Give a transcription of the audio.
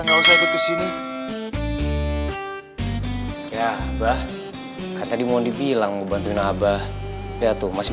nggak usah ikut kesini ya bahkan tadi mau dibilang ngebantuin abah lihat tuh masih